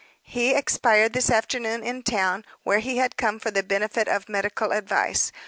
He expired this afternoon in town, where he had come for the benefit of medical advice.